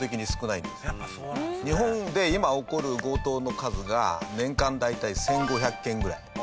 日本で今起こる強盗の数が年間大体１５００件ぐらい。